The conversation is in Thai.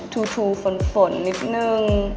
ถูฝนนิดนึง